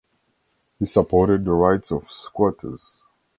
He supported the rights of squatters.